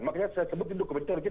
makanya saya sebutin dokumen tersebut